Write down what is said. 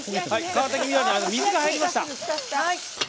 皮に水が入りました。